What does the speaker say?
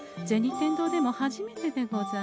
天堂でも初めてでござんす。